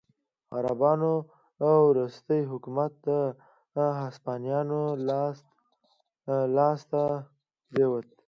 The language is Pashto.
عربانو وروستی حکومت د هسپانویانو لاسته پرېوت.